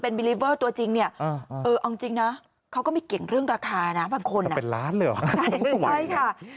เอาจริงนะเขาก็ไม่เก่งเรื่องราคานะแต่เป็นร้านเลยหรอ